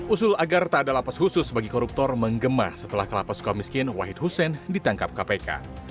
usul agar tak ada lapas khusus bagi koruptor menggema setelah kelapa suka miskin wahid hussein ditangkap kpk